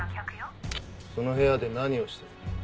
その部屋で何をしてる？